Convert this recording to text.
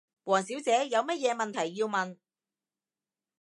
王小姐，有乜嘢問題要問？